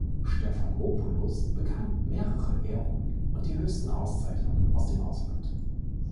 Stephanopoulos bekam mehrere Ehrungen und die höchsten Auszeichnungen aus dem Ausland.